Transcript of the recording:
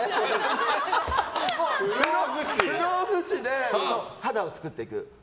もう不老不死で肌を作っていく。